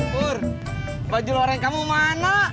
pur baju orang kamu mana